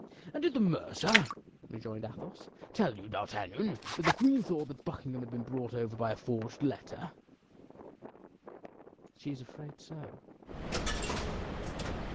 "And did the mercer*," rejoined Athos, "tell you, D'Artagnan, that the queen thought that Buckingham had been brought over by a forged letter?" * Haberdasher "She is afraid so."